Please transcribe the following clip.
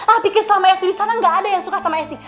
ah pikir selama esi disana gak ada yang suka sama esi